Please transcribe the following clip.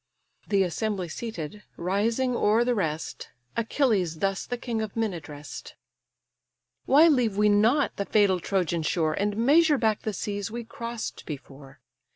The assembly seated, rising o'er the rest, Achilles thus the king of men address'd: "Why leave we not the fatal Trojan shore, And measure back the seas we cross'd before?